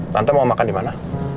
tante mau makan dimana